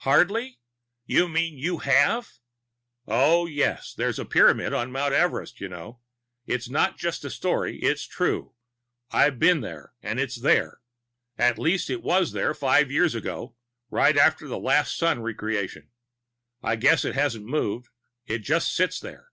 "Hardly You mean you have?" "Oh, yes. There's a Pyramid on Mount Everest, you know. That's not just a story. It's true. I've been there, and it's there. At least, it was there five years ago, right after the last Sun Re creation. I guess it hasn't moved. It just sits there."